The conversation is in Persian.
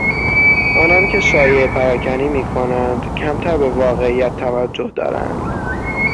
آنانکه شایعه پراکنی میکنند کمتر به واقعیت توجه دارند.